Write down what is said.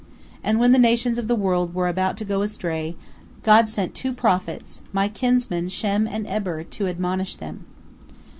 And when the nations of the world were about to go astray, God sent two prophets, my kinsmen Shem and Eber, to admonish them."